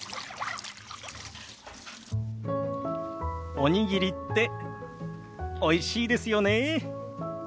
おにぎりっておいしいですよね。